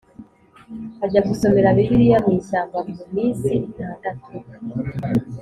Ajya gusomera bibiliya mu ishyamba mu minsi itandatu